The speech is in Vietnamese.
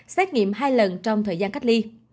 xét nghiệm hai lần trong thời gian cách ly